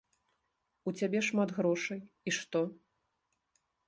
У цябе шмат грошай, і што?